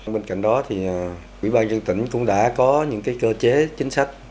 bên cạnh đó thì quỹ ban dân tỉnh cũng đã có những cơ chế chính sách